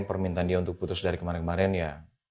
permintaan dia untuk putus dari kemarin kemarin ya